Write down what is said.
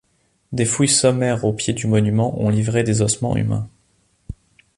Des fouilles sommaires au pied du monument ont livré des ossements humains.